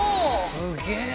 すげえな。